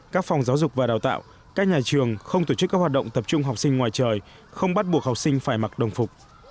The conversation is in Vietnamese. các nhà trường không tổ chức các hoạt động tập trung học sinh ngoài trời không bắt buộc học sinh phải mặc đồng phục